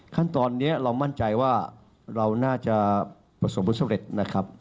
ขั้นตอนนี้เรามั่นใจว่าเราน่าจะประสบผลสำเร็จนะครับ